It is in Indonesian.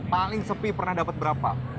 paling sepi pernah dapat berapa